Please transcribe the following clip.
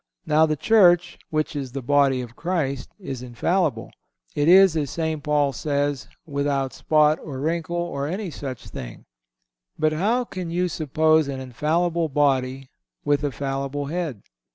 Now the Church, which is the Body of Christ, is infallible. It is, as St. Paul says, "without spot or wrinkle, or any such thing." But how can you suppose an infallible body with a fallible head?